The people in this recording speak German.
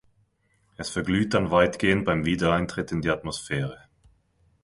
Es verglüht dann weitgehend beim Wiedereintritt in die Atmosphäre.